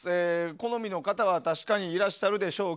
好みの方は確かにいらっしゃるでしょう。